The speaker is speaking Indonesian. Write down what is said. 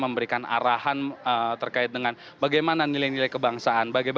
memberikan arahan terkait dengan bagaimana nilai nilai kebangsaan